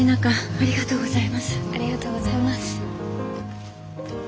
ありがとうございます。